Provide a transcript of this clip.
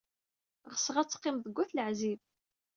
Ɣseɣ ad teqqimed deg At Leɛzib.